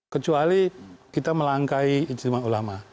kecuali kita melangkai ijlimat ulama